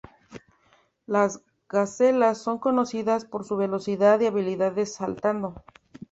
Las gacelas son conocidas por su velocidad y habilidades saltando.